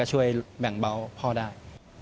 ช่วยแบ่งเบาพ่อได้